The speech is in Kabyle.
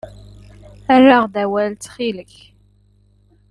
Err-aɣ-d awal, ttxil-k.